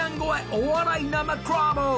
お笑い生コラボ！